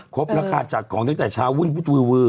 ครบละค่ะจัดของจากตอนเช้าวื่นวื่นวืดวืด